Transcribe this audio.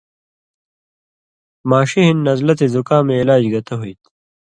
ماݜی ہِن نزلہ تے زکامَیں علاج گتہ ہُوئ تھی